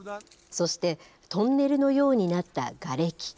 そして、トンネルのようになったがれき。